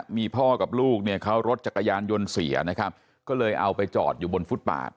มีพ่อกับลูกเนี่ยเขารถจักรยานยนต์เสียนะครับก็เลยเอาไปจอดอยู่บนฟุตบาท